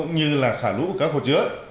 như là sả lũ của các khổ chứa